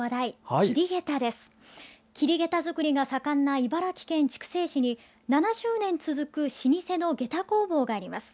桐下駄作りが盛んな茨城県筑西市に７０年続く老舗の下駄工房があります。